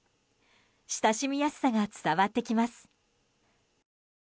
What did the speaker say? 親しみやすさが伝わってきます。